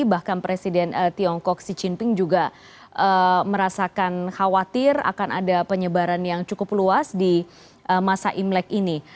bahkan presiden tiongkok xi jinping juga merasakan khawatir akan ada penyebaran yang cukup luas di masa imlek ini